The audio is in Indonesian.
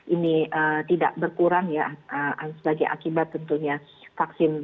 ini tidak berkurang ya sebagai akibat tentunya vaksin